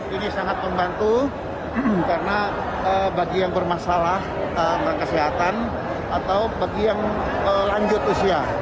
ini sangat membantu karena bagi yang bermasalah tentang kesehatan atau bagi yang lanjut usia